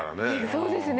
そうですね